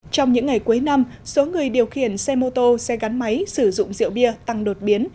trong những ngày cuối năm số người điều khiển xe mô tô xe gắn máy sử dụng rượu bia tăng đột biến